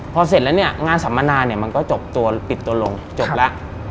พอเสร็จแล้วเนี่ยงานสัมมนาเนี่ยมันก็จบตัวปิดตัวลงจบแล้ว